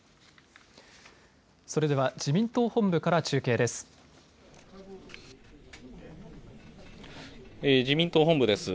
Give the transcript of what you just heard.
それでは自民党本部から中継です。